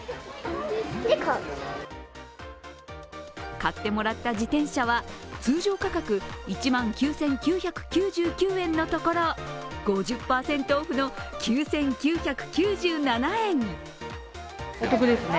買ってもらった自転車は通常価格１万９９９９円のところ、５０％オフの９９９７円。